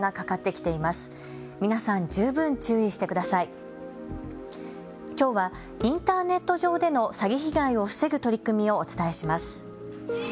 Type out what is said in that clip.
きょうはインターネット上での詐欺被害を防ぐ取り組みをお伝えします。